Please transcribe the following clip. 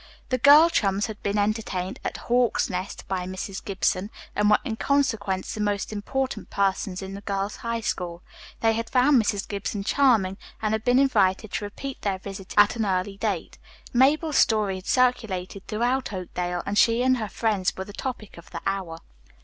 The girl chums had been entertained at "Hawk's Nest" by Mrs. Gibson, and were in consequence the most important persons in the Girls' High School. They had found Mrs. Gibson charming, and had been invited to repeat their visit at an early date. Mabel's story had circulated throughout Oakdale, and she and her friends were the topic of the hour.